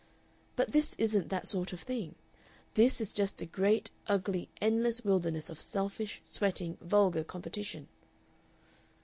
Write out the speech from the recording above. But this isn't that sort of thing; this is just a great, ugly, endless wilderness of selfish, sweating, vulgar competition!"